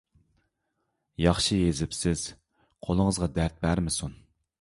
ياخشى يېزىپسىز، قولىڭىزغا دەرد بەرمىسۇن.